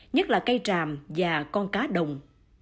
nhất là cây tràm và con cá đồng